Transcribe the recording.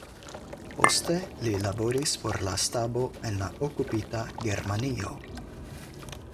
Poste li laboris por la stabo en la okupita Germanio.